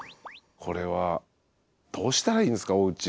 これはどうしたらいいんですかおうち。